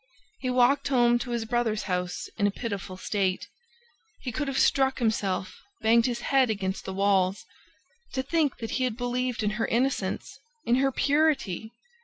He walked home to his brother's house in a pitiful state. He could have struck himself, banged his head against the walls! To think that he had believed in her innocence, in her purity!